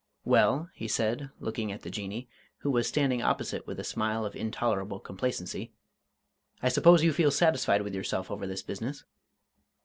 "Well," he said, looking at the Jinnee, who was standing opposite with a smile of intolerable complacency, "I suppose you feel satisfied with yourself over this business?"